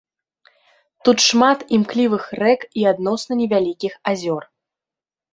Тут шмат імклівых рэк і адносна невялікіх азёр.